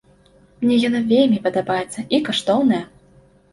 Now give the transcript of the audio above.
Мне яна вельмі падабаецца і каштоўная.